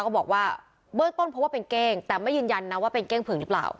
ก็บอกว่าเบื้องต้นเพราะว่าเป็นเก้งแต่ไม่ยืนยันนะว่าเป็นเก้งผึงหรือเปล่า